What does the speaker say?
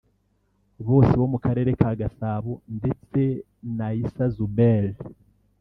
bose bo mu Karere ka Gasabo ndetse na Issa Zuber